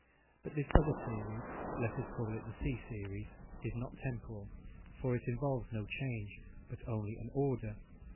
But this other series let us call it the C series is not temporal, for it involves no change, but only an order.